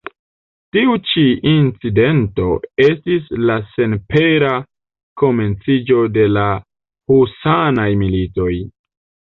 Tiu ĉi incidento estis la senpera komenciĝo de la husanaj militoj.